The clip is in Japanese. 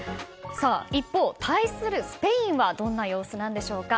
一方、対するスペインはどんな様子でしょうか。